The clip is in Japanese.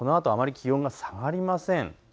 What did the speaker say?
このあとあまり気温が下がりません。